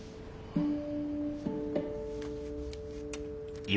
うん。